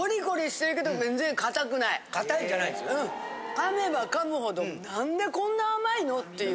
噛めば噛むほど何でこんな甘いの？っていう。